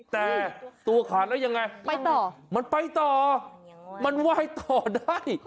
แต่ตัวขาดแล้วยังไงไปต่อมันไปต่อมันไหว้ต่อได้